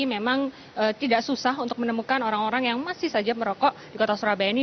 memang tidak susah untuk menemukan orang orang yang masih saja merokok di kota surabaya ini